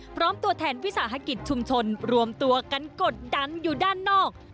พร้อมตัวแทนวิสาหกิจชุมชนรวมตัวกันกดดันอยู่ด้านนอก